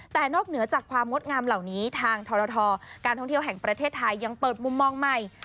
แต่นอกเหนือจากความงดงามเหล่านี้ทางทรทการท่องเที่ยวแห่งประเทศไทยยังเปิดมุมมองใหม่